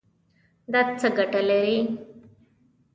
دا څه ګټه لري؟